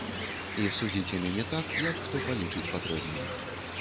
І судзіце мяне так, як хто палічыць патрэбным.